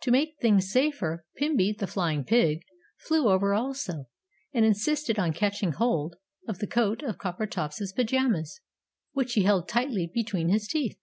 To make things safer, Pimby, the Flying Pig, flew over also, and insisted on catching hold of the coat of Coppertop's pyjamas, which he held tightly between his teeth.